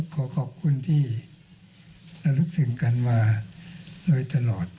ขอขอบคุณที่ระลึกถึงกันมาโดยตลอด